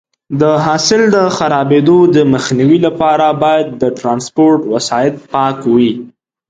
د حاصل د خرابېدو مخنیوي لپاره باید د ټرانسپورټ وسایط پاک وي.